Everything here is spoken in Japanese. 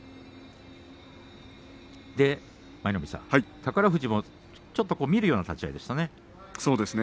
宝富士、遠藤ちょっと見るような立ち合いでしたね。